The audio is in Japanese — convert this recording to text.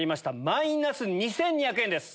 マイナス２２００円です。